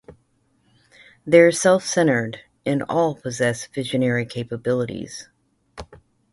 They are self-centered, and all possess visionary capabilities.